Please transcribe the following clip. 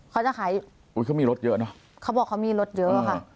เขาจะขายอุ้ยเขามีรถเยอะเนอะเขาบอกเขามีรถเยอะค่ะ